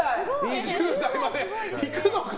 ２０代までいくのか？